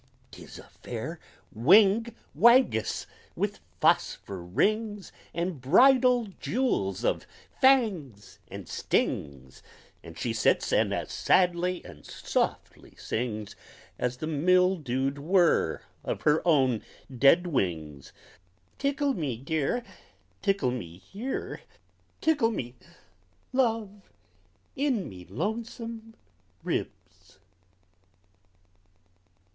'Tis a fair Whing Whangess, with phosphor rings, And bridal jewels of fangs and stings; And she sits and as sadly and softly sings As the mildewed whir of her own dead wings, Tickle me, Dear, Tickle me here, Tickle me, Love, in me Lonesome Ribs!